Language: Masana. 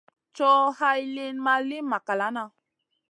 Coh hay lìyn ma li makalana.